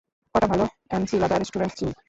কটা ভালো enchilada restaurant চিনি।